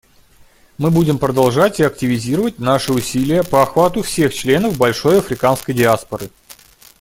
Мы будем продолжать и активизировать наши усилия по охвату всех членов большой африканской диаспоры.